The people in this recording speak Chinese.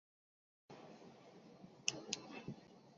鼠掌老鹳草为牻牛儿苗科老鹳草属的植物。